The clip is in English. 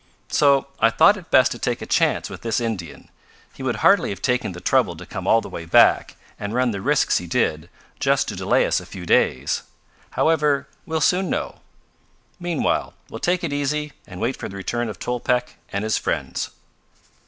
"So I thought it best to take a chance with this Indian. He would hardly have taken the trouble to come all the way back, and run the risks he did, just to delay us a few days. However, we'll soon know. Meanwhile, we'll take it easy and wait for the return of Tolpec and his friends."